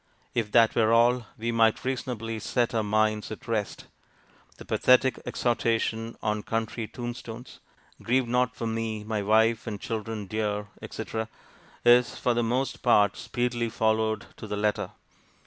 If that were all, we might reasonably set our minds at rest. The pathetic exhortation on country tombstones, 'Grieve not for me, my wife and children dear,' etc., is for the most part speedily followed to the letter.